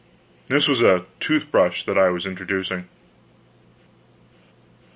This was a tooth wash that I was introducing.